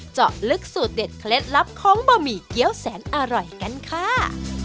เจาะลึกสูตรเด็ดเคล็ดลับของบะหมี่เกี้ยวแสนอร่อยกันค่ะ